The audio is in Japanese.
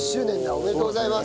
おめでとうございます。